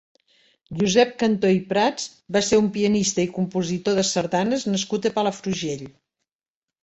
Josep Cantó i Prats va ser un pianista i compositor de sardanes nascut a Palafrugell.